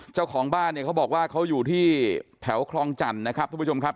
เจ้าของบ้านเนี่ยเขาบอกว่าเขาอยู่ที่แถวคลองจันทร์นะครับทุกผู้ชมครับ